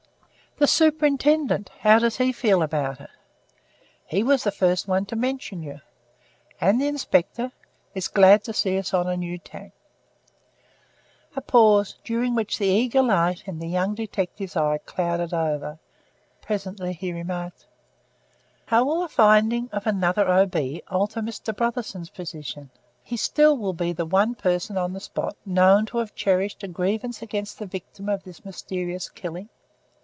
"The Superintendent how does he feel about it?" "He was the first one to mention you." "And the Inspector?" "Is glad to see us on a new tack." A pause, during which the eager light in the young detective's eye clouded over. Presently he remarked: "How will the finding of another O. B. alter Mr. Brotherson's position? He still will be the one person on the spot, known to have cherished a grievance against the victim of this mysterious killing.